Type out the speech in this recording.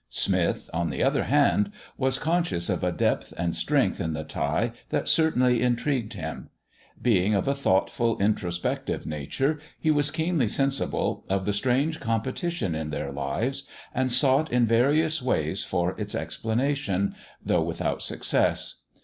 Smith, on the other hand, was conscious of a depth and strength in the tie that certainly intrigued him; being of a thoughtful, introspective nature, he was keenly sensible of the strange competition in their lives, and sought in various ways for its explanation, though without success.